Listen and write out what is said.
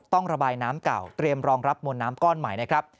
ต้องระบายน้ำเก่าเตรียมรองรับมวลน้ำก้อนใหม่นะครับ